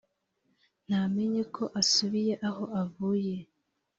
ntamenye ko asubiye aho avuye!